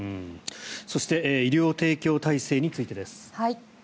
そして医療提供体制についてです。